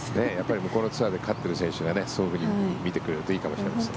向こうのツアーで勝ってる選手がそう見てくれるといいかもしれないですね。